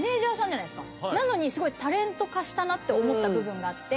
なのにすごいタレント化したなって思った部分があって。